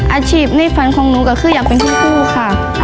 อาชีพในฝันของดูกระคือยาเป็นฮิ้งเซ้าคุณค่ะ